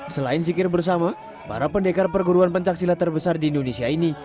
selain zikir bersama para pendekar perguruan pencaksilat terbesar di indonesia ini